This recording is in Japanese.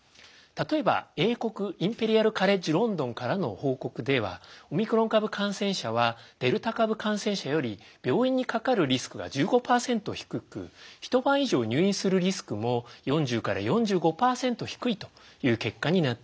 例えば英国インペリアル・カレッジ・ロンドンからの報告ではオミクロン株感染者はデルタ株感染者より病院にかかるリスクが１５％低くひと晩以上入院するリスクも４０４５％低いという結果になっています。